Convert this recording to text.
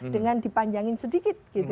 dengan dipanjangin sedikit